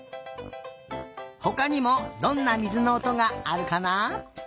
ほかにもどんなみずのおとがあるかな？